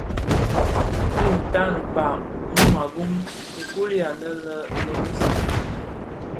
Dhi tan kpag mum a bum. Nfuli anë lè Grémisse,